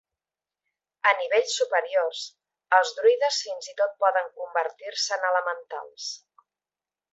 A nivells superiors, els druides fins i tot poden convertir-se en elementals.